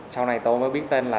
sau này tôi mới biết tên là